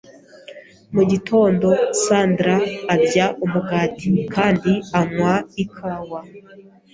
Mu gitondo, Sandra arya umugati kandi anywa ikawa.